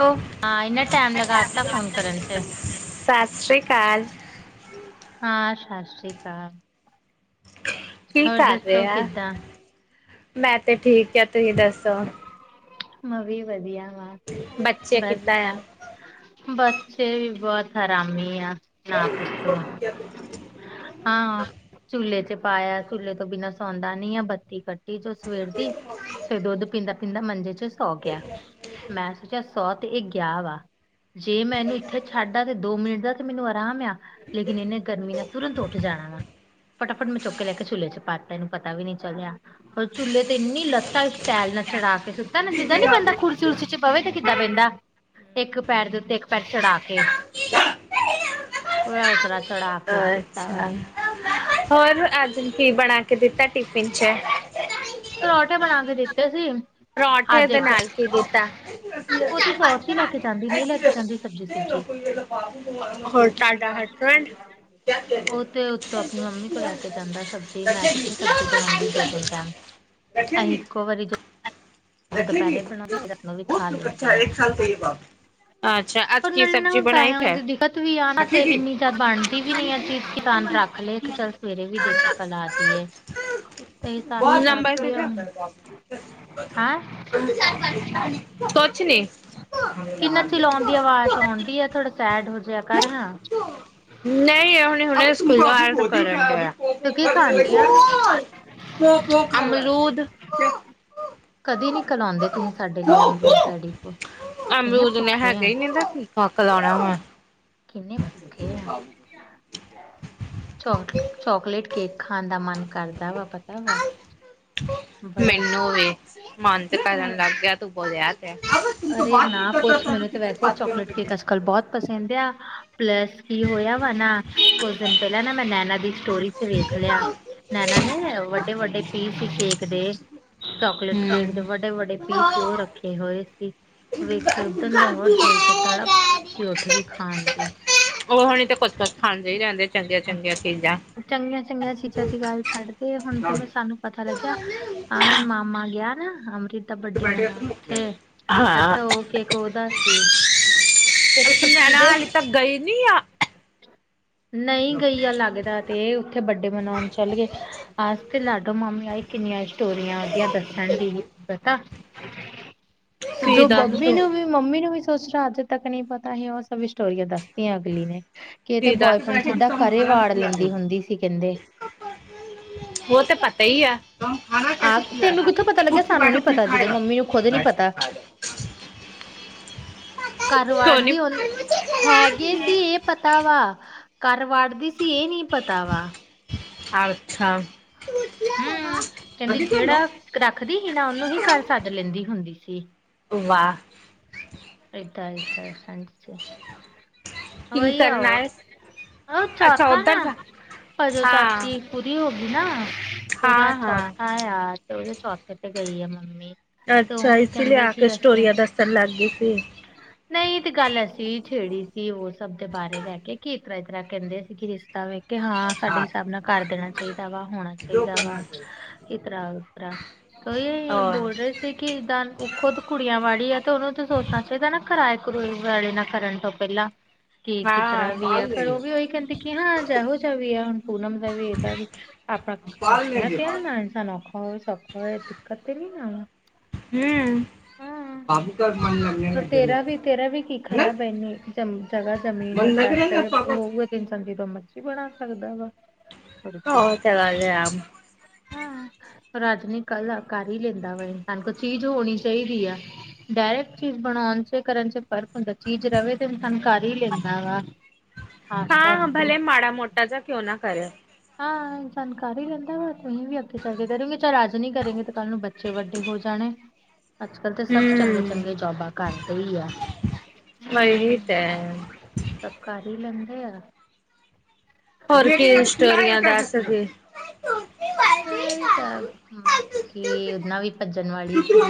Hello, ਆ ਇਨਾ time ਲਗਾ ਦਿੱਤਾ ਫੋਨ ਕਰਨ ਚ, ਸਤਿ ਸ੍ਰੀ ਅਕਾਲ। ਹਾਂ ਸ਼ਸ਼ਰੀ ਕਾਲ। ਕੀ ਕਰਦੇ ਦੱਸੋ ਆ ਕਿੱਦਾਂ ਮੈਂ ਤੇ ਠੀਕ ਆ ਤੁਹੀ ਦੱਸੋ, ਮ ਵੀ ਵਧੀਆ ਵਾ। ਬੱਚੇ ਕਿੱਦਾਂ ਬਸ ਆ। ਬੱਚੇ ਵੀ ਬਹੁਤ ਹੈਰਾਮੀੀ ਆ। ਨਾ ਪੁੱਛੋ ਹਾਂ ਝੂਲੇ ਤੇ। ਪਾਇਆ, ਝੂਲੇ ਤੋਂ ਬਿਨਾਂ ਸੌਂਦਾ ਨੀ ਆ ਬੱਤੀ ਕੱਟੀ ਜੋ ਸਵੇਰ ਦੀ ਤੇ ਦੁੱਧ ਪੀਂਦਾ ਦਾ ਮੰਜੇ ਤੇ ਸੌ ਗਿਆ ਮੈਂ ਸੋਚਿਆ ਸੌ ਤੇ ਇਹ ਗਿਆ ਵਾ ਜੇ ਮੈਂ ਇਹਨੂੰ ਇੱਥੇ ਛੱਡ ਆ ਤੇ ਦੋ ਮਿੰਟ ਦਾ ਤੇ ਮੈਨੂੰ ਆਰਾਮ, ਆ। ਲੇਕਿਨ ਇੰਨੇ ਗਰਮੀ ਨਾਲ ਤੁਰੰਤ ਉੱਠ ਜਾਣਾ ਵਾ। ਫਟਾ-ਫਟ ਮੈਂ ਚੁੱਕਕੇ ਲੈ ਕੇ ਝੂਲੇ ਚ' ਪਾਤਾ ਇਹਨੂੰ ਪਤਾ ਵੀ ਨਹੀਂ ਚੱਲਿਆ। ਕਲ ਝੂਲੇ ਤੇ ਇੰਨੀ ਲੱਤਾ ਸਟੈਲ ਨਾਲ ਚੜਾ ਕੇ ਸੁੱਤਾ ਨਾ ਜਿੱਦਾਂ ਨੀ ਬੰਦਾ ਕੁਰਸੀ-ਉੁਰਸੀ ਜ ਬਵੇ ਤੇ ਕਿੱਦਾਂ ਬਹਿੰਦਾ ਇੱਕ ਪੈਰ ਦੇ ਉੱਤੇ ਇੱਕ ਪੈਰ ਚੜਾ ਕੇ। [unintelligible] ਸੁੱਤਾ ਵਾ ਅ-ਅੱਛਾ ਹੋਰ ਅੱਜ ਕੀ ਬਣਾ ਕੇ ਦਿੱਤਾ ਟਿਫਿਨ ਚ। ਪਰੌਠੇ ਬਣਾ ਕੇ ਦਿੱਤੇ ਸੀ। ਪਰੌਂਠੇ ਅੱਜ ਦੇ ਇੱਕ ਨਾਲ ਕਿ ਦਿੱਤਾ ਉਹ ਤੇ ਸੋਸ ਹੀ ਲੈ ਕੇ ਜਾਂਦੀ ਨਹੀਂ ਲੈ ਕੇ ਜਾਂਦੀ [unintelligible] ਸਬਜ਼ੀ ਸੁਬਜੀ ਹੋਰ ਸਾਡਾ ਹੱਸਬੈਡ? ਉਹ ਤੇ ਉਤੋਂ ਆਪਣੀ ਮੰਮੀ ਕੋਲ ਲੈ ਕੇ ਜਾਂਦਾ ਸਬਜ਼ੀ ਤੇ ਮੈਂ ਕਿੱਥੇ ਸਬਜ਼ੀ ਬਣਾਦੀ ਦੋ-ਤਿੰਨ ਟਾਈਮ ਅਸੀਂ ਰਖੇਗੀ-ਰਖੇਗੀ-ਰਖੇਗੀ ਇੱਕੋ ਵਾਰੀ ਜੇ ਜੇ ਦੁਪਹਿਰੇ ਬਣਾਦੀ ਆ ਓ ਰਾਤ ਨੂੰ ਵੀ ਖਾ ਲੈਂਦੇ ਅੱਛਾ, ਐ। ਇੱਕ ਸਾਲ ਸੇ ਯੇ ਬਾਤ। ਅੱਛਾ, ਅੱਜ ਉਹ ਕੀ ਨਾਲੇ ਸਬਜ਼ੀ ਹੁਣ ਬਣਾਈ ਪੈਸੇ ਫਿਰ? ਦੀ ਦਿੱਕਤ ਵੀ ਆ ਨਾ, ਤੇ ਰਖੇਗੀ। ਇੰਨੀ ਜ਼ਿਆਦਾ ਬਣਦੀ ਵੀ ਨੀਆ ਚੀਜ਼ ਕਿਸਾਨ ਭਰਾ ਲੇਖ ਚੱਲ ਸਵੇਰੇ ਵੀ ਦੇਖ ਕੇ ਘਲਆ ਤੀ ਏ। ਤੇ ਹਿਸਾਬ-ਕਿਤਾਬ ਨੰਬਰ ਦੀ ਕਿਦਾ ਹੂੰ ਕੁਛ ਨੀ ਕਿੰਨਾ ਚਲਾਉਣ ਦੀ ਆਵਾਜ਼ ਆਉਣ ਡੀ ਏ ਥੋੜਾ ਸੈਡ ਹੋ ਜਹਾ ਕਰ ਹਾਂ। ਨਹੀਂ ਏਹ ਹੁਣੀ-ਹੁਣੇ ਸਕੂਲ ਤੇ ਓ ਕਰਨ ਡੇ ਤੂੰ ਕੀ ਖਾਣ ਡਈ ਆ ਆ। ਅਮਰੂਦ ਕਦੇ ਨੀ ਘਲਾਉਂਦੇ ਤੁਸੀਂ ਸਾਡੇ ਲਈ ਅਮਰੂਦ ਡੈਡੀ ਕੋਲ ਕਿੰਨੇ ਅਮਰੂਦ ਇਘਨੇ ਭੁੱਖੇ ਹੈਗਾ ਹੀ ਨਹੀਂ ਤਾ ਕੀ ਮੱਕ ਘਲੜਾ ਵੈ। ਕਿਨੇ ਭੁੱਖੇ ਐ। ਚੋ- ਚੋਕਲੇਟ ਕੇਕ ਖਾਣ ਦਾ ਮਨ ਕਰਦਾ ਵਾ ਪਤਾ ਵਾ। ਬੜਾ ਮੈਨੂੰ ਵੀ ਮਨ ਚ ਪਤਾ ਲੱਗ ਗਿਆ ਤੂੰ ਬੋਲਿਆ ਕੀ। ਅਰੇ ਕੇਆ। ਅਕਲ ਬਹੁਤ ਪਸੰਦ ਆ ਪਲੱਸ ਕੀ ਹੋਇਆ ਵਾਰਨਾ ਕੁੱਝ ਦਿਨ ਪਹਿਲਾਂ ਨਾ ਮੈਂ ਨੈਨਾ ਦੀ ਸਟੋਰੀ ਚ ਵੇਖ ਲਿਆ ਨੈਣਾ ਨੇ ਵੱਡੇ-ਵੱਡੇ ਪੀਸ ਸੀ ਕੇਕ ਦੇ [unintelligible] ਚੋਕਲੇਟ ਹੂੰ ਕੇਕ ਦੇ ਵਡੇ ਵੱਡੇ ਪੀਸ ਉਹ ਰੱਖੇ ਹੋਏ ਸੀ। ਵੇਖ ਕੇ ਉਧਿਣ ਦਾ ਹੋਰ ਦਿਲ ਚ ਤੜਾਪ ਜੀ ਉੱਠ ਗੀ ਖਾਣ ਦੀ ਉਹਣੀ ਤਾਂ ਕੁਛ ਕੁ ਖਾਂਦੇ ਹੀ ਰਹਿੰਦੇ ਚੰਗੀਆਂ ਚੰਗੀਆਂ ਚੀਜ਼ਾਂ। ਚੰਗੀਆਂ-ਚੰਗੀਆਂ ਚੀਜ਼ਾਂ ਦੀ ਗੱਲ ਛੱਡ ਦੇ ਹੁਣ ਤੇ ਮੈਂ ਸਾਨੂੰ ਪਤਾ ਲੱਗਿਆ ਆਹ ਮਾਮਾ ਗਿਆ ਅੰਨਕਿਤ ਦਾ ਬਰਡੇ ਮਨਾਣ ਹੁਣ ਉੱਥੇ ਹਾਂ ਅੱਛਾ ਓ ਕੇਕ ਉਦਾ ਸੀ। ਇੱਕ ਚੁਪੀ ਸੁਨੈਣਾ ਦੇ ਹਾਲੇ ਗਈ ਨੀ ਆ? ਨਈ ਗਈ ਆ ਲੱਗਦਾ ਤੇ ਉੱਥੇ ਬੱਡੇ ਮਨਾਉਣ ਚੱਲ ਗਏ। ਆਸ ਤੇ ਲਾਡੋ ਮਾਮੀ ਆਏ ਕਿੰਨੀਆਂ ਸਟੋਰੀਆਂ ਉਹਦੀਆ ਦੱਸਣ ਦੀ ਸੀ ਪਤਾ। ਕੀ ਜੋ ਦੱਸ ਬੱਬੀ ਤੂੰ ਨੂੰ ਵੀ ਮੰਮੀ ਨੂੰ ਵੀ ਸੋਚ ਰਿਹਾ ਅੱਜ ਤੱਕ ਨਹੀਂ ਪਤਾ ਹੀ ਉਹ ਸਭ ਸਟੋਰੀਆਂ ਦੱਸਤੀਆਂ ਅਗਲੀ ਨੇ। ਕਿਤੇ ਕੀ ਦੱਸ ਬੋਆਏਫਰੈਂਡ ਸਿੱਧਾ ਘਰੇ ਵਾੜ ਲੈਂਦੀ ਹੁੰਦੀ ਸੀ ਕਹਿੰਦੇ। ਉਹ ਤਾਂ ਪਤਾ ਈ ਐ। ਆ ਤੈਨੂੰ ਕਿੱਥੋਂ ਪਤਾ ਲੱਗਿਆ ਸਾਨੂੰ ਨੀ ਪਤਾ ਜਦੋਂ ਮੰਮੀ ਨੂੰ ਖੁਦ ਨੀ ਪਤਾ। [inaudible] ਘਰਵਾੜ ਕਿਉਂ ਨੀ ਦੀ ਹੋਨੀ, ਹੈਗੇ ਸੀ, ਏ ਪਤਾ ਵਾ ਘਰ ਵਾੜਦੀ ਸੀ ਇਹ ਨੀ ਪਤਾ ਵਾ। ਅੱਛਾ। ਹੂੰ ਕਹਿੰਦੀ ਜਿਹੜਾ ਰੱਖਦੀ ਸੀ ਨਾ ਉਹਨੂੰ ਹੀ ਘਰ ਸੱਦ ਲੈਂਦੀ ਹੁੰਦੀ ਸੀ। ਵਾ ਇਦਾ-ਇਦਾ ਐਸ ਐਝ ਚ ਕੀ ਉਹੀ ਆ ਕਰਨਾ ਓ, ਹੈ। ਉਹ ਅੱਛਾ ਚਾਕਾ ਨਾ ਉਧਰ ਜਾ ਅਜੇ ਹਾਂ ਚਾਚੀ ਪੂਰੀ ਹੋ ਗਈ ਨਾ ਤੇ ਉਹਦਾ ਹਾਂ ਹਾਂ ਚੌਥਾ ਆ ਤੇ ਉਹਦੇ ਚੌਥੇ ਤੇ ਗਈ ਆ ਮੰਮੀ। ਤੇ ਅੱਛਾ ਉਹਨੇ ਇਸੇ ਲਈ ਕਹਿੰਦੇ ਆ ਕੇ ਸਟੋਰੀਆਂ ਦੱਸਣ ਲੱਗ ਗਈ ਸੀ। ਨਈ ਏ ਤੇ ਗੱਲ ਅਸੀਂ ਛੇੜੀ ਸੀ ਉਹ ਸਭ ਦੇ ਬਾਰੇ ਬਹਿ ਕੇ ਕਿ ਇਸ ਤਰ੍ਹਾਂ ਇਸ ਤਰ੍ਹਾਂ ਕਹਿੰਦੇ ਸੀ ਕਿ ਤਾ ਵਵੇ ਕਿ ਹਾਂ ਸਾਡੇ ਹਿਸਾਬ ਨਾਲ ਕਰ ਦੇਣਾ ਚਾਈਦਾ ਵਾ ਹੁਣ ਜੋ ਚਾਈਦਾ ਕਰਨਾ ਵਾ, ਕਰੋ ਇ ਤਰ੍ਹਾਂ-ਉ ਤਰ੍ਹਾਂ। ਕੋਈ ਬੋਲ ਰਏ ਸੀ ਕਿ ਦਾਂ। ਓ ਖੁਦ ਕੁੜੀਆਂ ਵਾਲੀ ਆ ਤੇ ਓਨੂੰ ਸੋਚਣਾ ਚਾਹੀਦਾ ਨਾ ਕਿਰਾਏ-ਕਰੂਏ ਵਾਲੇ ਨਾਲ ਕਰਨ ਤੋਂ ਪੈਲਾਂ। ਕਿ ਹਾਂ ਕਿਧਰਾ ਵੀ ਆ ਪਰ ਓ ਵੀ ਓਹੀ ਹਾਂ ਕਹਿੰਦੇ ਕਿ ਹਾਂ ਜੈਹੋ ਜਾ ਵੀ ਆ ਹੁਣ ਪੂਨਮ ਦਾ ਵੀ, ਏਦਾ ਵੀ ਆਪਣਾ ਬੈਠੀਆਂ ਤੇ ਆ, ਨਾ ਇਨਸਾਨ ਔਖਾ ਹੋਵੇ, ਸੋਖਾ ਹੋਵੇ। ਦਿੱਕਤ ਤੇ ਨੀਂ ਨਾ। ਹੂੰ। [inaudible] ਹ ਤੇਰਾ ਵੀ-ਤੇਰਾ ਵੀ ਕੀ ਖਰਾਬ ਐਨੇ। ਚਮ ਜਗ੍ਹਾ ਜਮੀਨ ਯਾ ਪੈਸੇ [unintelligible] ਹੋ ਦਿਨ ਸੰਦੀ ਤੋਂ ਮਰਜ਼ੀ ਬਣਾ ਸਕਦਾ ਵਾ। ਹਾਂ। ਪਰ ਅੱਜ ਨੀ ਕੱਲ ਕਰ ਹੀ ਲੈਂਦਾ ਵਾ ਇਨਸਾਨ। ਕੋਲ ਚੀਜ਼ ਹੋਣੀ ਚਾਹੀਦੀ ਆ ਡਾਇਰਕਟ ਚੀਜ਼ ਬਣਾਉਣ ਚ ਕਰਨ ਚ ਫਰਕ ਹੁੰਦਾ। ਚੀਜ਼ ਰਹੇ ਤੇ ਇਨਸਾਨ ਕਰ ਹੀ ਲੈਂਦਾ ਵਾ। ਆਸਤੇ ਹਾਂ-ਹਾਂ ਆਸਤੇ ਭਲੇ ਮਾੜਾ ਮੋਟਾ ਜਾ ਕਿਉਂ ਨਾ ਕਰਓ। ਹਾਂ ਇਨਸਾਨ ਕਰ ਹੀ ਲੈਂਦਾ ਵਾ, ਤੁਹੀਂ ਵੀ ਅੱਗੇ ਚੱਲ ਕੇ ਕਰੋਗੇ। ਚੱਲ ਅੱਜ ਨੀ ਕਰੇਗੇ ਤੇ ਕੱਲ ਨੂੰ ਬੱਚ ਬੱਚੇ ਵੱਡੇ ਹੋ ਜਾਣੇ। ਅੱਜ-ਕਲ੍ਹ ਤੇ ਸਭ ਚੰਗੇ-ਚੰਗੇ ਜੋਬਾਂ ਕਰਦੇ ਈ ਆ। ਮਾਈ ਰੀ ਦੈਟ। ਸਭ ਕਰ ਹੀ ਲੈਂਦੇ ਆ। ਹੋਰ ਕੀ ਸਟੋਰੀਆਂ ਦੱਸਦੇ। ਐ ਈ ਸਭ ਕਿ ਓਨਾ ਵੀ ਭੱਜਣ ਵਾਲੀ ਸੀ।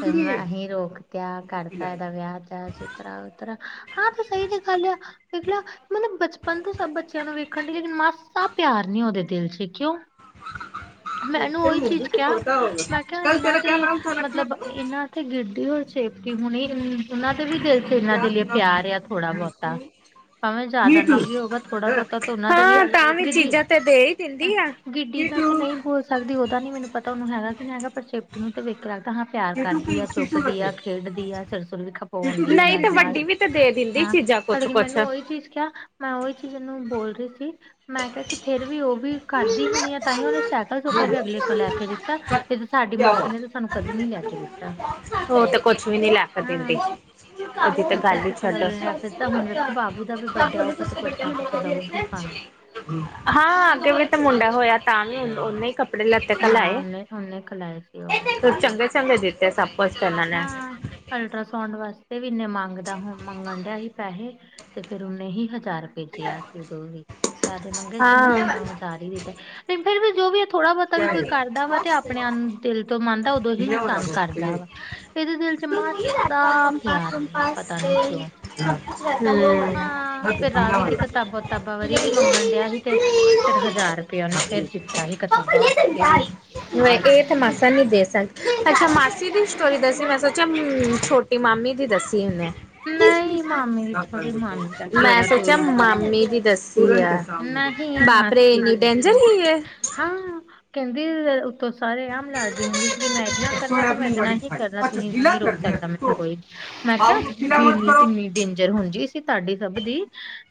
ਫੇਰ ਮੈਂ ਹੀ ਰੋਕਿਆ, ਕਰਤਾ ਐਦਾ ਵਿਆਹ ਟੈਮ ਸਿਰ। ਇਤ੍ਰਾਂ-ਉਤਰਾਂ। ਹਾਂ ਤੇ ਸਈ ਜਗਾ ਕਰ ਲਿਆ, [unintelligible] ਮਤਲਬ ਬਚਪਨ ਤੋਂ ਸਭ ਬੱਚਿਆਂ ਨੂੰ ਵੇਖਣ ਡੀ ਲੇਕਿਨ ਮਾਸਾ ਪਿਆਰ ਨੀ ਓਦੇ ਦਿਲ ਚ, ਕਿਉਂ? ਮੈਂ ਐਨੂੰ ਓਹੀ ਚੀਜ਼ ਕਿਹਾ ਮੈਂ ਕਿਹਾ ਇਨਾਂ ਤੇ ਮਤਲਬ ਇਨਾਂ ਥੇ ਗਿਰਦੀ ਹੋਈ ਸੇਫਟੀ ਹੁਣੀ ਓਨਾਂ ਤੇ ਵੀ ਦਿਲ ਤੇ ਇਨਾਂ ਦੇ ਲਈ ਪਿਆਰ ਆ ਥੋੜਾ ਬਹੁਤਾ। ਭਾਵੇਂ ਜ਼ਿਆਦਾ ਨੀਟੂ ਨਹੀਂ ਵੀ ਹੋਗਾ ਥੋੜ੍ਹਾ ਬਹੁਤਾ ਤਾਂ ਓਨਾਂ ਦਾ ਵੀ ਐ। ਹਾਂ ਤਾਂ ਗਿੱਡੀ ਚੀਜ਼ਾਂ ਤੇ ਦੇ ਹੀ ਦਿੰਦੀ ਆ। ਗਿੱ ਡੀ ਦਾ ਤੇ ਸੀਟੂ ਨਹੀਂ ਬੋਲ ਸਕਦੀ ਓਦਾ ਨੀ ਮੈਨੂੰ ਪਤਾ, ਓਨੂੰ ਹੈਗਾ ਕੀ ਨਹੀਂ ਹੈਗਾ ਪਰ ਚੇਪਟ ਨੂੰ ਤੇ ਵੇਖਯਾ। ਕਹਾ ਪਿਆਰ ਸੀਟੂ ਕਰਦੀ ਕੀ ਆ, ਸੀਟੂ ਚੁੱਕਦੀ ਰੱਖੇ। ਆ, ਖੇਡਦੀ ਆ, ਸਿਰ-ਸੁਰ ਵੀ ਖਪਵਾਉਂਦੀ ਆ ਨਹੀਂ ਤੇ ਐਦੇ ਨਾਲ। ਵੱਡੀ ਵੀ ਤੇ ਦੇ ਦਿੰਦੀ ਹਾਂ, ਚੀਜ਼ਾਂ ਪਰ ਲੇਕਿਨ ਕੁਛ-ਕੁਛ। ਮੈਨੂੰ ਉਹੀ ਚੀਜ਼ ਕਿਆ ਮੈਂ ਓਹੀ ਚੀਜ਼ ਐਨੂੰ ਬੋਲ ਰਹੀ ਸੀ ਮੈਂ ਕਿਹਾ ਕਿ ਫੇਰ ਵੀ ਓ ਵੀ ਕਰਦੀ ਹੋਣੀ ਆ ਤਾਂ ਹੀ ਓਨੇ ਸੈਕਲ-ਸੁਕਲ ਵੀ ਅਗਲੇ ਕੋਲ ਲੈ ਕੇ ਦਿੱਤਾ, ਤੇ ਸਾਡੀ ਕਿਆ ਮਾਸੀ ਨੇ ਤਾਂ ਸਾਨੂੰ ਕਦੇ ਨੀ ਲੈ ਕੇ ਦਿੱਤਾ। ਓ ਤੇ ਕੁਛ ਵੀ ਨੀ ਲੈ ਕੇ ਹਾਂ ਦਿੰਦੀ। ਓਦੀ ਤੇ ਗੱਲ ਸਾਈਕਲ ਹੀ ਸੁਕਲ ਛੱਡੋ ਅਗਲੇ ਨੇ ਰੱਖ ਦਿੱਤਾ ਹੁਣ ਵੇਖੋ ਬਾਬੂ ਦਾ ਵੀ ਬਰਡੇ ਆਊਗਾ ਤੇ ਕੁਛ ਨਾ ਕੁਛ ਭੈਂਜੀ। ਦਊਗੀ ਭਾਵੇਂ ਹਾਂ ਦੇਵੀ ਤੇ ਮੁੰਡਾ ਹੋਇਆ। ਤਾਂ ਨਹੀਂ ਓਨੇ ਹੀ ਕੱੜੇ ਲਤੇ ਤਾਂ ਲੈ ਹਾਂ ਆਏ, ਉਹਨੇ ਉਹਨੇ ਖਿਲਾਏ ਸੀ ਉਹ ਵਾਲੇ ਕੱਪੜੇ ਚੰਗੇ ਚੰਗੇ ਦਿੱਤੇ ਸਭ। ਕੁਛ ਕਰਨ ਆਲੇ। ਹਾਂ ਅਲਟਰਾਸਾਊਂਡ ਵਾਸਤੇ ਵੀ ਇੰਨੇ ਮੰਗਦਾ- ਮੰਗਣ ਡਿਆ ਸੀ ਪੈਸੇ। ਤੇ ਫੇਰ ਓਨੇ ਹੀ ਹਜ਼ਾਰ ਰਪੇ ਕਿਆ ਸੀ ਓਦੋਂ ਵੀ। ਜਾਦਾ ਮੰਗੇ ਸੀ ਹਾਂ। ਲੇਕਿਨ ਓ ਹਜ਼ਾਰ ਹੀ ਦਿੱ ਤੇ ਫਿਰ ਵੀ ਜੋ ਵੀ ਐ, ਥੋੜਾ ਬੋਤ ਤਾਂ ਵੀ ਕਿਆ ਕੋਈ ਯਾਰ ਕਰਦਾ ਵਾ ਤੇ ਆਪਣੇ ਆਨ ਦਿਲ ਤੋਂ ਮੰਨਦਾ, ਉਦੋਂ ਹੀ ਇਨਸਾਨ ਕਰਦਾ ਵਾ। ਇਹਦੇ ਦਿਲ ਚ ਮਾਸਾ ਪਿਆਰ ਨੀਂ ਆ, ਪਤਾ ਨੀ ਕਿਉਂ। ਹੂੰ। ਹਾਂ! ਫੇਰ ਰਾਵੀ ਦੀ ਕਿਤਾਬਾਂ-ਤਾਬਾਂ ਵਾਰੀ ਵੀ ਮੰਗਣ ਡਿਆ ਸੀ ਤੇ ਫੇਰ ਹਜ਼ਾਰ ਰੁਪਇਆ ਓਨੇ ਫੇਰ ਦਿੱਤਾ ਸੀ। ਕ ਮ [unintelligible] ਇਹ ਤਾਂ ਮਾਸਾ ਨੀ ਦੇਸ ਅੱਛਾ ਮਾਸੀ ਦੀ ਸਟੋਰੀ ਦੱਸੀ ਮੈਂ ਸੋਚਿਆ ਛੋਟੀ ਮਾਮੀ ਦੀ ਦੱਸੀ ਉਹਨੇ ਨਹੀਂ ਮਾਮੀ ਦੀ ਥੋੜੀ ਮਾਮੀ ਦਾ ਘਿਓ ਮੈਂ ਦਾ ਸੋਚਿਆ ਤੇਲ ਮਾਮੀ ਦੀ ਦੱਸੀ ਆ ਨਹੀਂ ਬਾਪ ਰੇ ਮਾਸੀ ਦੀ ਇੰਨੀ ਦੱਸਣ ਡੇਂਜਰ ਹੀ ਹੈ। ਹਾਂ ਕਹਿੰਦੀ ਤ ਸਾਰੇ ਆਮ ਲਾੜਦੀ ਹੁੰਦੀ ਸੀਗੀ ਮੈਂ ਇੱਦਨਾ ਕਰਨਾ ਤੇ ਮੈਂ ਇੱਦਨਾ ਹੀ ਕਰਨਾ ਤੁਸੀਂ ਨਹੀਂ ਰੋਕ ਸਕਦਾ ਮੈਂ ਕੋਈ ਮੈਂ ਕਿਹਾ [unintelligible] ਡੇਂਜਰ ਹੁੰਦੀ ਸੀ ਤੁਹਾਡੀ ਸਭ ਦੀ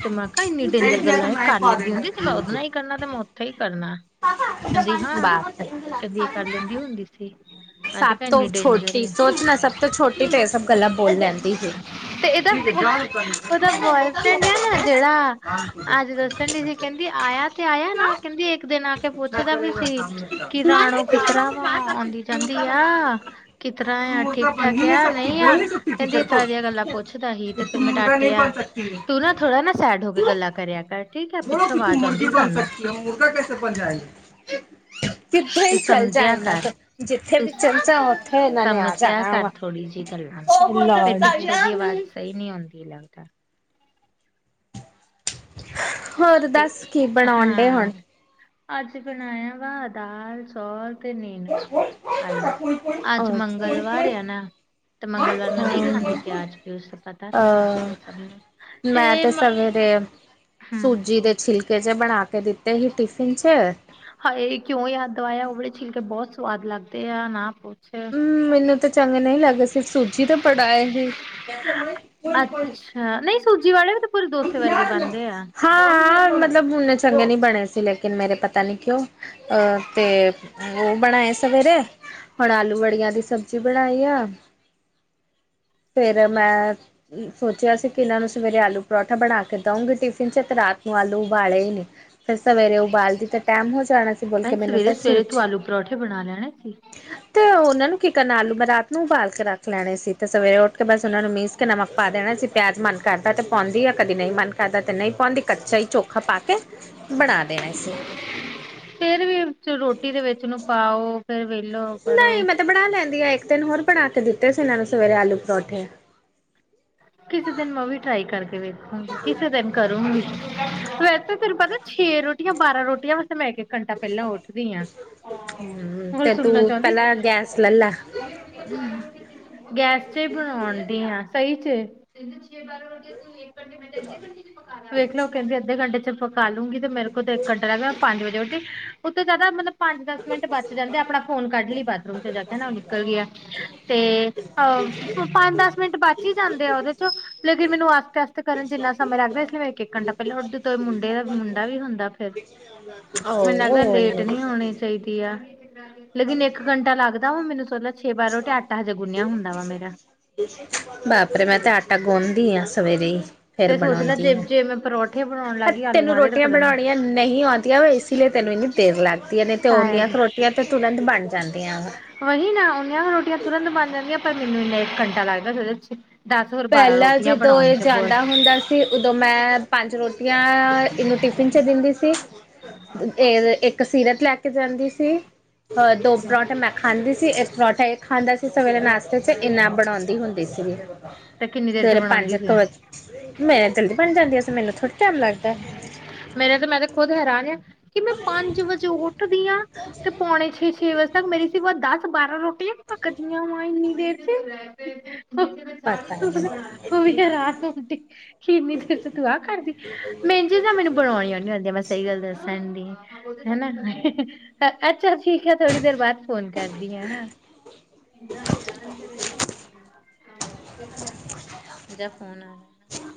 ਤੇ ਮੈਂ ਕਿਹਾ ਇੰਨੀ ਡੇਂਜਰ ਗੱਲਾਂ ਇਹ ਕਰ ਲੈਂਦੀ ਹੁੰਦੀ ਤੇ ਮੈਂ ਉਹਦੇ ਨਾਲ ਕਰਨਾ ਤੇ ਮੈਂ ਉੱਥੇ ਹੀ ਕਰਨਾ ਕਹਿੰਦੀ ਹਾਂ ਕਹਿੰਦੀ ਇਹ ਕਰ ਲੈਂਦੀ ਹੁੰਦੀ ਠੀਕ ਹੈ ਸਭ ਤੋਂ ਛੋਟੀ ਸੋਚ ਨਾ ਸਭ ਤੋਂ ਛੋਟੀ ਤੇ ਇਹ ਸਭ ਗੱਲਾਂ ਬੋਲ ਲੈਂਦੀ ਸੀ ਤੇ ਇਹਦਾ ਬੋਆਏ ਦਾ ਬੋਆਏਫਰੈਂਡ ਆ ਨਾ ਜਿਹੜਾ ਅੱਜ ਦਾ ਸੰ ਡੀ ਸੀ ਕਹਿੰਦੀ ਆਇਆ ਤੇ ਆਇਆ ਨਾ ਕਹਿੰਦੀ ਇੱਕ ਦਿਨ ਆ ਕੇ ਅੱਛਾ ਪੁੱਛਦਾ ਵੀ ਕਰੇਗਾ ਸੀ ਸਾਹਮਣੇ ਦਾ ਕਿ ਰਾਣੋ ਕਿਸ ਤਰ੍ਹਾਂ ਵ ਆਂਦੀ ਕਹਿੰਦੀ ਆ ਕਿਸ ਤਰ੍ਹਾਂ ਤੂੰ ਆ ਠੀਕ ਮੁਰਗਾ ਬਣ ਹੀ ਠਾਕ ਆ ਸਕਤੀ ਨਹੀਂ ਬੋਲ ਆ ਸਕਤੀ ਕਹਿੰਦੀ ਟੀਚਰ ਇਸ ਕੋ ਤਰ੍ਹਾਂ ਦੀਆਂ ਗੱਲਾਂ ਪੁੱਛ ਦਾ ਹੀ ਤੇ ਕਿ ਫੇਿਰ ਤੂੰ ਮੈਂ ਮੁਰਗਾ ਨਹੀਂ ਡਾਟਿਆ ਬਣ ਸਕਤੀ ਹੈ ਤੂੰ ਨਾ ਥੋੜਾ ਨਾ ਸੈਡ ਹੋ ਕੇ ਗੱਲਾਂ ਕਰਿਆ ਕਰ ਠੀਕ ਆ ਬੋਲੋ ਪਿੱਛੋਂ ਕਿ ਤੂੰ ਆਵਾਜ਼ ਆਉਂਦੀ ਮੁਰਗੀ ਬਣ ਸਾਨੂੰ ਸਕਤੀ ਹੋ ਮੁਰਗਾ ਕੈਸੇ ਬਣ ਜਾਏਗਾ ਕਿੱਥੇ ਹੀ ਤੂੰ ਚਲ ਜਾ ਸਮਝਿਆ ਇਹਨਾਂ ਕਰ ਤੋਂ ਜਿੱਥੇ ਤੂੰ ਵੀ ਚਲ ਚਾ ਉੱਥੇ ਇਹਨਾਂ ਨੇ ਆ ਸਮਝਿਆ ਜਾਣਾ ਕਰ ਵਾ ਥੋੜ੍ਹੀ ਜਿਹੀ ਗੱਲਾਂ ਨੂੰ ਫੇਿਰ ਪਿੱਛੋਂ ਦੀ ਆਵਾਜ਼ ਸਹੀ ਨਹੀਂ ਆਉਂਦੀ ਲੱਗਦਾ ਹੋਰ ਤੇ ਦੱਸ ਕੀ ਬਣਾਉਣ ਡੇ ਹੁਣ ਹਾਂ ਅੱਜ ਬਣਾਇਆ ਵਾ ਦਾਲ ਚੋਲ ਤੇ ਨੀਨੂ ਹਲੇੇ ਅੱਜ ਅੱਛਾ ਮੰਗਲਵਾਰ ਆ ਨਾ ਤੇ ਮੰਗਲਵਾਰ ਮੈਂ ਨਹੀਂ ਖਾਂਦੀ ਪਿਆਜ ਪਿਊਜ ਤੇ ਪਤਾ ਨਾ ਖਾਂਦੀ ਅਹ ਤੇ ਸਭ ਨੂੰ ਮੈਂ ਤੇ ਸਗ ਹਮ ਸੂਜੀ ਦੇ ਛਿਲਕੇ 'ਚ ਬਣਾ ਕੇ ਦਿੱਤੇ ਸੀ ਟਿਫਿਨ 'ਚ ਹਾਏ ਕਿਉਂ ਯਾਦ ਦਵਾਇਆ ਉਹ ਵਾਲੇ ਛਿਲ ਕੇ ਬਹੁਤ ਸਵਾਦ ਲੱਗਦੇ ਆ ਨਾ ਪ ਹਮ ਮੈਨੂੰ ਤਾਂ ਚੰਗੇ ਨਹੀਂ ਲੱਗੇ ਸਿਰਫ ਸੂਜੀ ਤੇ ਪੜਾਏ ਸੀ ਹਾਂ ਨਹੀਂ ਸੂਜੀ ਵਾਲੇ ਵੀ ਤਾਂ ਪੂਰੇ ਡੋਸੇ ਵਰਗੇ ਬਣਦੇ ਆ ਹਾਂ ਹਾਂ ਮਤਲਬ ਉਨੇ ਚੰਗੇ ਨਹੀਂ ਬਣੇ ਸੀ ਲੇਕਿਨ ਮੇਰੇ ਪਤਾ ਨੀ ਕਿਉਂ ਅਹ ਤੇ ਉਹ ਬਣਾਏ ਸਵੇਰੇ ਹੁਣ ਆਲੂ ਵੜੀਆਂ ਦੀ ਸਬਜ਼ੀ ਬਣਾਈ ਆ ਫੇਿਰ ਮੈਂ ਸੋਚਿਆ ਸੀ ਕਿ ਇਹਨਾਂ ਨੂੰ ਸਵੇਰੇ ਆਲੂ ਪਰੌਠਾ ਬਣਾ ਕੇ ਦਊਂਂਗੀ ਟਿਫਿਨ ਚ ਤੇ ਰਾਤ ਨੂੰ ਆਲੂ ਉਬਾਲੇ ਹੀ ਨਹੀਂ ਫਿਰ ਸਵੇਰੇ ਉਬਾਲਦੀ ਤੇ ਟੈਮ ਹੋ ਜਾਣਾ ਫ ਬਲ ਕੇ ਭੈਣ ਮੈਨੂੰ ਫੈ ਸਵੇਰੇ ਸਵੇਰੇ ਤੂੰ ਸੂਜੀ ਆਲੂ ਪਰੌਠੇ ਬਣਾ ਲੈਣੇ ਸੀ। ਤੇ ਉਹਨਾਂ ਨੂੰ ਕੀ ਕਰਨਾ ਆਲੂ ਮੈਂ ਰਾਤ ਨੂੰ ਉਬਾਲ ਕੇ ਰੱਖ ਲੈਣੇ ਸੀ ਤੇ ਸਵੇਰੇ ਉੱਠ ਕੇ ਬਸ ਉਹਨਾਂ ਨੂੰ ਮੀਸ ਉਤੇ ਨਮਕ ਪਾ ਦੇਣਾ ਸੀਸੀਂ ਪਿਆਜ਼ ਮਨ ਕਰਦਾ ਤਾਂ ਪਾਉਂਦੀ ਆ ਕਦੀ ਨਹੀਂ ਮਨ ਕਰਦਾ ਤਾਂ ਨਹੀਂ ਪਾਉਂਦੀ ਕੱਚਾ ਹੀ ਚੋਖਾ ਪਾ ਕੇ ਬਣਾ ਦੇਣਾ ਸੀ। ਫੇਰ ਵੀ ਰੋਟੀ ਦੇ ਵਿੱਚ ਨੂੰ ਪਾਓ ਫੇਰ ਵੇਲੋ ਕਰੋ ਤੇ ਬਣਾ ਲੈਂਦੀ ਆ ਇੱਕ ਦਿਨ ਹੋਰ ਬਣਾ ਕੇ ਦਿੱਤੇ ਸੀ ਇਹਨਾਂ ਨੂੰ ਸਵੇਰੇ ਆਲੂ ਪਰੌਠੇ। ਕਿਸੇ ਦਿਨ ਮੈਂ ਵੀ ਟਰਾਈ ਕਰਕੇ ਵੇਖੂੰਗੀ ਕਿਸੇ ਦਿਨ ਕਰੂੰਗੀ ਵੈਸੇ ਫਿਰ ਪਤਾ ਛੇ ਰੋਟੀਆਂ ਬਾਰਾਂ ਰੋਟੀਆਂ ਵਾਸਤੇ ਮੈਂ ਕਿਹਾ ਘੰਟਾ ਪੈਂਲਾਂ ਉੱਠਦੀ ਹਾਂ ਹਮ ਹੋਣ ਤੇ ਸੁਣਨਾ ਤੂੰ ਚਾਹੁੰਦੀ ਪਹਿਲਾਂ ਗੈਸ ਲੈ ਲੈ ਗੈਸ ਚ ਹੀ ਬਣਾਣ ਦੀ ਹਾਂ ਸਹੀ ਚ ਕਹਿੰਦੇ ਛੇ ਬਾਰਾਂ ਰੋਟੀਆ ਕੋਈ ਇਕ ਘੰਟੇ ਮੈ ਤੇ ਅੱਧੇ ਅੱਧੇ ਘੰਟੇ ਚ--ਪਕਾ ਲਾ ਕਰ ਲੂੰਗੀ ਤੇ, ਮੇਰੇ ਕੋਲ ਤੇ ਇੱਕ ਘੰਟਾ ਰਹਿ ਗਿਆ। ਮੈਂ ਪੰਜ ਵਜੇ ਉੱਠੀ, ਉੱਥੇ ਜ਼ਿਆਦਾ ਮਤਲਬ ਪੰਜ-ਦੱਸ ਮਿੰਟ ਬਚ ਜਾਂਦੇ, ਆਪਣਾ ਫੋਨ ਕੱਢ ਲਈ ਬਾਥਰੂਮ 'ਚ ਜਾ ਕੇ, ਨਿਕਲ ਗਿਆ ਤੇ ਹਾਂ, ਪੰਜ-ਦੱਸ ਮਿੰਟ ਬਚ ਹੀ ਜਾਂ ਉਹਦੇ 'ਚੋਂ, ਲੇਕਿਨ ਮੈਨੂੰ ਆਸਤੇਾਸ ਕਰਨ 'ਚ ਇੰਨਾ ਸਮੇ ਲੱਗਦਾ, ਇਸ ਲਈ ਮੇ ਇੱਕ ਘੰਟਾ ਪਹਿਲਾਂ ਉ ਮੁੰਡੇ ਦਾ ਮੁੰਡਾ ਵੀ ਹੁੰਦਾ ਫਿਰ, ਮੈਨੂੰ ਲੱਗਦਾ ਲੇਟ ਨਹੀਂ ਹੋਣੀ ਚਾਹੀਦੀ। ਲੇਕਿਨ ਇੱਕ ਘੰਟਾ ਲੱਗਦਾ ਵਾ ਮੈਨੂੰ, ਸੋ ਛੇ ਬਾਰ ਰੋਟੀ ਆਟਾ ਹਜੇ ਗੁੰਣਿਆ ਹੁੰਦਾ ਵਾ ਮੇਰਾ। ਬਾਪ ਰੇ ਮੈਂ ਤੇ, ਆਟਾ ਗੋਣਦੀ ਆਂ ਸਵੇਰੇ। ਫੇਿਰ ਤੇ ਸੋਚ ਲੈ ਬਣਾਉਂਦੀ ਜੇ ਆ। ਜੇ ਮੈਂ ਪਰੌਠੇ ਬਣਾਉਣ ਲੱਗ ਗਈ ਤੈਨੂੰ ਆਲੂਆਂ ਦੇ ਤੇ ਰੋਟੀਆਂ ਪਤਾ ਨੀ ਬਣਾਉਣੀਆਂ ਨਹੀਂ ਆਉਂਦੀਆਂ ਵ, ਇਸ ਲਈ ਤੈਨੂੰ ਇੰਨੀ ਦੇਰ ਲੱਗਦੀਆਂ, ਨੇ ਤੇ ਉਨੀਆਂ ਸ਼ਾਇਦ 'ਕੁ ਰੋਟੀਆਂ ਤਾਂ ਤੁਰੰਤ, ਬਣ ਜਾਂਦੀਆਂ ਵਾਂ। ਵਹੀ ਨਾ, ਉਹਨੀਆਂ ਰੋਟੀਆਂ ਤੁਰੰਤ ਬਣ ਜਾਂਦੀਆਂ, ਪਰ ਮੈਨੂੰ ਇੰਨਾ ਇੱਕ ਘੰਟਾ ਲੱਗਦਾ ਦੇ 'ਚ ਦੱਸ ਹੋਰ, ਬਾਰਾਂ ਰੋਟੀਆਂ ਬਣਾਉਣ 'ਚ ਤੇ ਉਦੋਂ ਮੈਂ, ਪੰਜ ਰੋਟੀਆਂ ਇਹਨੂੰ ਟਿਫਿਨ 'ਚ ਦਿੰਦੀ ਸੀ। ਇਹ, ਇੱਕ ਸੀਰਤ ਲੈ ਕੇ ਜਾਂਦੀ ਸੀ। 'ਅ ਦੋ ਪਰੌਂਠੇ ਮੈਂ ਖਾਂਦੀ ਸੀ। ਇੱਕ ਪਰੌਂਠਾ ਇਹ ਖਾਂਦਾ ਸੀ। ਸਵੇਰੇ ਨਾਸ਼ਤੇ 'ਚ ਇੰਨਾ, ਬਣਾਉਂਦੀ ਹੁੰਦੀ ਸੀ। [unintelligible] ਤੇ ਕਿੰਨੀ ਦੇਰ ਚ ਸਵੇਰੇ ਪੰਜ ਬਣਾਉਂਦੀ 'ਕ ਸੀ। ਵੱਜੇ, ਮੇਰੇ ਜਲਦੀ ਬਣ ਜਾਂਦੀ ਸੀ। ਮੈਨੂੰ ਥੋੜ੍ਹਾ ਟਾਈਮ ਲੱਗਦਾ। ਮੇਰੇ ਤੇ ਮੈਂ ਤੇ ਖੁੱਦ ਹੈਰਾਨ ਆ, ਕਿ ਮੈਂ ਪੰਜ ਵਜੇ ਉੱਠਦੀ ਹਾਂ ਤੇ ਪੌਣੇ ਛੇ-ਛੇ ਵੱਜੇ ਤ ਮੇਰੀ ਸੀ ਵ ਦੱਸ ਬਾਰਾਂ ਰੋਟੀਆਂ ਪੱਕਦੀਆਂ ਵਾ, ਇੰਨੀ ਦੇਰ 'ਚ ਉਹ ਵੀਤਦੀ ਇੰਨੀ ਦੇਰ ਪਤਾ ਨੀ 'ਚ, ਤੂੰ ਆਹ ਕਰਦੀ। ਮਹਿੰਝੇ ਜਾ ਮੈਨੂੰ ਣੀਦੀ ਨੀ ਆਂੳਦੀਆਂ, ਮੈਂ ਸਹੀ ਗੱਲ ਦੱਸਣ ਦੀ, ਹਨਾ। ਅੱਛਾ ਠੀਕ ਹੈ, ਥੋੜ੍ਹੀ ਦੇਰ ਬਾਅਦ ਫੋਨ ਕਰਦੀ ਹਾ, ਹਾਂ। ਫੋਨ ਹਮ।